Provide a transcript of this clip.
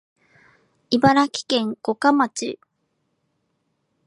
茨城県五霞町